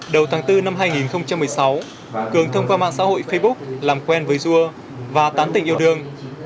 đầu tháng bốn năm hai nghìn một mươi sáu cường thông qua mạng xã hội facebook làm quen với dua và tán tình yêu đương